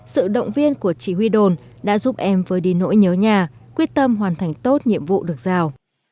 sự động viên của chỉ huy đồn đã giúp em vơi đi nỗi nhớ nhà quyết tâm hoàn thành tốt nhiệm vụ được giao